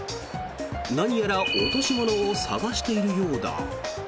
何やら落とし物を探しているようだ。